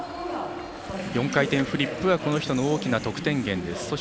４回転フリップはこの人の大きな得点源です。